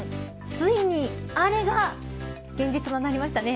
ついに、アレが現実となりましたね。